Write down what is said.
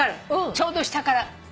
ちょうど下から。